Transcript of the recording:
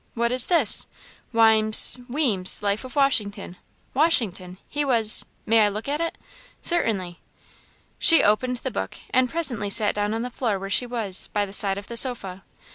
"What is this! Wime's Wiem's Life of Washington Washington? he was may I look at it?" "Certainly!" She opened the book, and presently sat down on the floor where she was, by the side of the sofa.